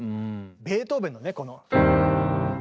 ベートーベンのねこの。